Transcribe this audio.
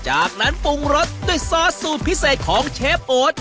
จากนั้นปรุงรสด้วยซอสสูตรพิเศษของเชฟโอ๊ต